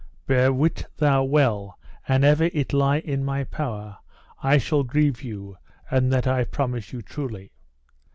but wit thou well an ever it lie in my power I shall grieve you, and that I promise you truly.